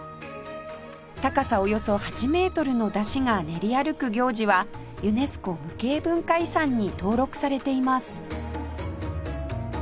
高さおよそ８メートルの山車が練り歩く行事はユネスコ無形文化遺産に登録されています